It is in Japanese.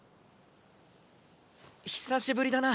久しぶりだなあ。